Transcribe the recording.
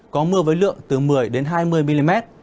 có mưa với lượng từ một mươi đến hai mươi mm